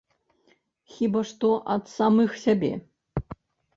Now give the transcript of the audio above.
Хіба што ад самых сябе.